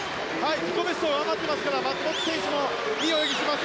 自己ベストを上回っていますから松元選手もいい泳ぎをしています。